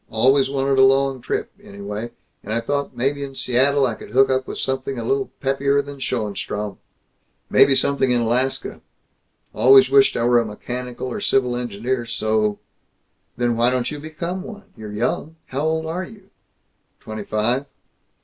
Always wanted a long trip, anyway, and I thought maybe in Seattle I could hook up with something a little peppier than Schoenstrom. Maybe something in Alaska. Always wished I were a mechanical or civil engineer so " "Then why don't you become one? You're young How old are you?" "Twenty five."